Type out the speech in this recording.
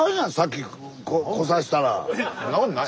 そんなことない。